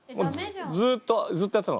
ずっとずっとやってたの。